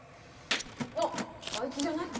あっあいつじゃない？